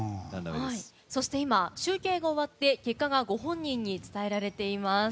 そして今、集計が終わって結果がご本人に伝えられています。